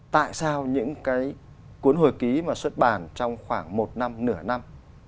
tại sao những cái cuốn hồi ký mà xuất bản trong khoảng một năm nửa năm